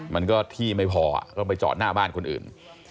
มันก็ที่ไม่พอก็ไปจอดหน้าบ้านคนอื่น